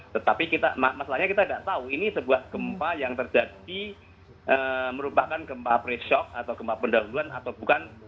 tetapi masalahnya kita tidak tahu ini sebuah gempa yang terjadi merupakan gempa presshock atau gempa pendahuluan atau bukan